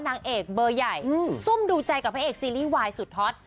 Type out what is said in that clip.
นางเอกเบอร์ใหญ่ซุ่มดูใจกับพระเอกซีรีส์วายสุดฮอต